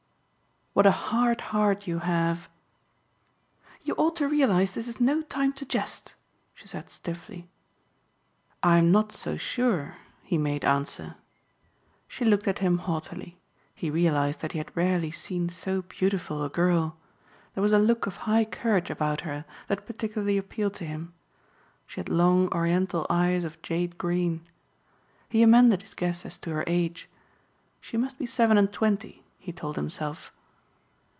"What a hard heart you have!" "You ought to realize this is no time to jest," she said stiffly. "I am not so sure," he made answer. She looked at him haughtily. He realized that he had rarely seen so beautiful a girl. There was a look of high courage about her that particularly appealed to him. She had long Oriental eyes of jade green. He amended his guess as to her age. She must be seven and twenty he told himself.